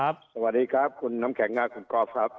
สวัสดีครับคุณน้ำแข่งงานคุณกรอบครับ